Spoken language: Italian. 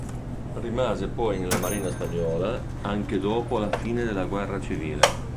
Rimase poi nella Marina spagnola anche dopo la fine della guerra civile.